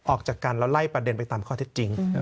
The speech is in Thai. ออกจากกันแล้วไล่ประเด็นไปตามข้อเท็จจริง